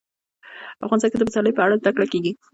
افغانستان کې د پسرلی په اړه زده کړه کېږي.